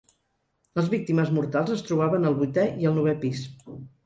Les víctimes mortals es trobaven al vuitè i al novè pis.